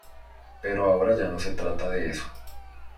Pero ahora ya no se trata de eso.